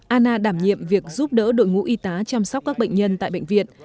ana đảm nhiệm việc giúp đỡ đội ngũ y tá chăm sóc các bệnh nhân tại bệnh viện